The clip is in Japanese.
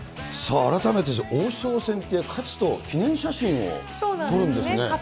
さあ、改めて王将戦って勝つと、記念写真を撮るんですね。